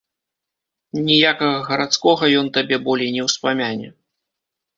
Ніякага гарадскога ён табе болей не ўспамяне.